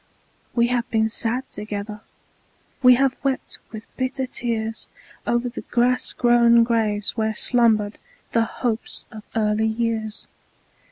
We have been sad together; We have wept with bitter tears O'er the grass grown graves where slumbered The hopes of early years.